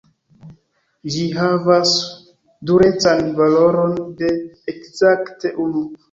Ĝi havas durecan valoron de ekzakte unu.